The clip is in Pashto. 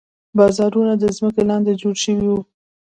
بازارونه د ځمکې لاندې جوړ شوي وو.